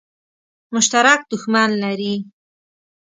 مشترک دښمن لري.